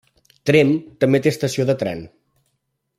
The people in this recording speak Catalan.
Tremp també té estació de tren.